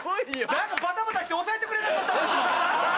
何かバタバタして抑えてくれなかったんですもん。